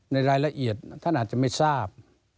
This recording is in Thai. ในรายละเอียดท่านอาจจะไม่ทราบ